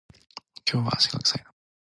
今日は足が臭いな